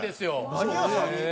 何屋さん？